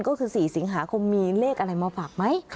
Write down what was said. ก็คือ๔สิงหาคมมีเลขอะไรมาฝากไหม